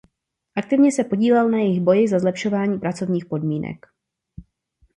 Aktivně se podílel na jejich boji za zlepšování pracovních podmínek.